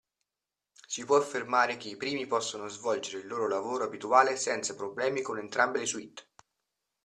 Si può affermare che i primi possono svolgere il loro lavoro abituale senza problemi con entrambe le suite.